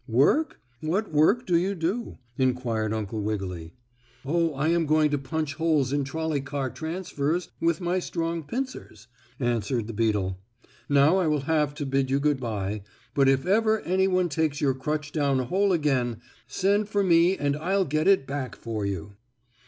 "Work what work do you do?" inquired Uncle Wiggily. "Oh, I am going to punch holes in trolley car transfers with my strong pincers," answered the beetle. "Now, I will have to bid you good by, but if ever any one takes your crutch down a hole again, send for me and I'll get it back for you."